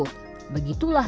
oke jadi kita mulai